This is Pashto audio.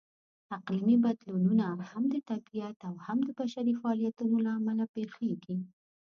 اقلیمي بدلونونه هم د طبیعت او هم د بشري فعالیتونو لهامله پېښېږي.